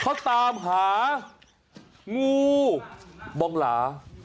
เขาตามหางูบองหลา